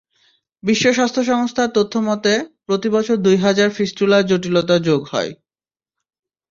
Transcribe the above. বিশ্ব স্বাস্থ্য সংস্থার তথ্যমতে, প্রতিবছর দুই হাজার ফিস্টুলা জটিলতা যোগ হয়।